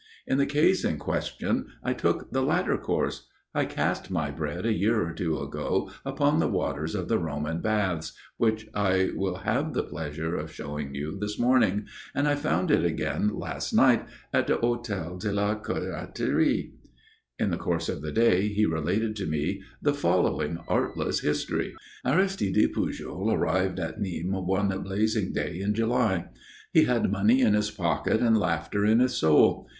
In the case in question I took the latter course. I cast my bread a year or two ago upon the waters of the Roman baths, which I will have the pleasure of showing you this morning, and I found it again last night at the Hôtel de la Curatterie." In the course of the day he related to me the following artless history. Aristide Pujol arrived at Nîmes one blazing day in July. He had money in his pocket and laughter in his soul.